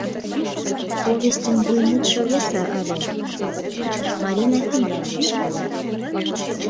Повестьын вуймутшо весе ыле: «Марина Финляндийыш кая».